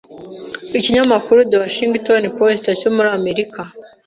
Ikinyamakuru The Washington Post cyo muri Amerika